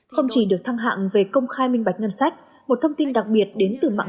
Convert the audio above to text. không chỉ được thăng hạng về công khai minh bạch ngân sách một thông tin đặc biệt đến từ mạng